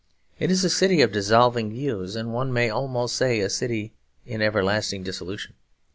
It is a city of dissolving views, and one may almost say a city in everlasting dissolution.